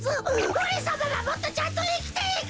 おれさまはもっとちゃんといきていく！